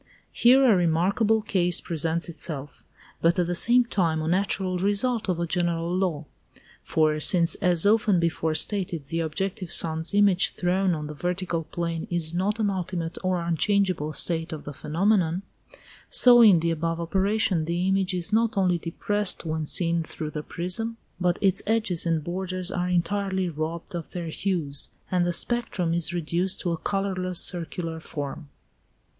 Here a remarkable case presents itself, but at the same time a natural result of a general law. For since, as often before stated, the objective sun's image thrown on the vertical plane is not an ultimate or unchangeable state of the phenomenon, so in the above operation the image is not only depressed when seen through the prism, but its edges and borders are entirely robbed of their hues, and the spectrum is reduced to a colourless circular form.